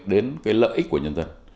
đến cái lợi ích của nhân dân